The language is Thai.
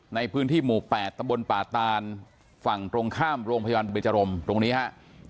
ในพื้นที่หมู่๘ตำบลป่าตานฝั่งตรงข้ามโรงพยาบาลบุเบจรมตรงนี้ครับ